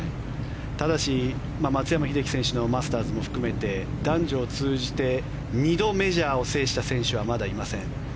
ただし松山英樹選手のマスターズも含めて男女を通じて２度メジャーを制した選手はまだいません。